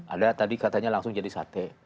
ada tadi katanya langsung jadi sate